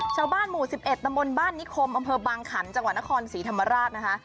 ชาวบ้านหมู่๑๑ตำบลบ้านนิคมอำเภอบางขันจังหวัดนครศรีธรรมราชนะคะ